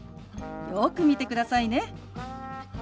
よく見てくださいね。